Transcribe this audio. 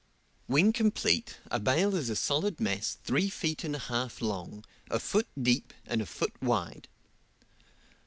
When complete, a bale is a solid mass three feet and a half long, a foot deep, and a foot wide.